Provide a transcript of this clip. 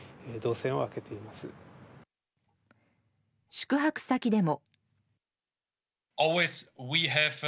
宿泊先でも。